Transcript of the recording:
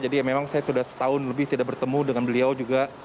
jadi memang saya sudah setahun lebih tidak bertemu dengan beliau juga